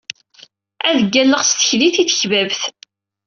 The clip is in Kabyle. Ad ggalleɣ s tekdit i tekbabt.